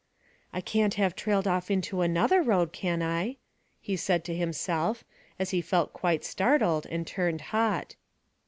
"I can't have trailed off into another road, can I?" he said to himself, as he felt quite startled and turned hot.